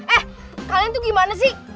eh kalian tuh gimana sih